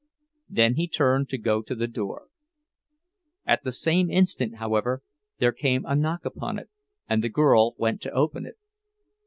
Then he turned to go to the door. At the same instant, however, there came a knock upon it, and the girl went to open it.